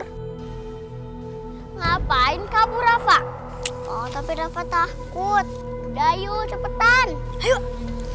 hai ngapain kabur rafa tapi dapat takut dayu cepetan yuk yuk ah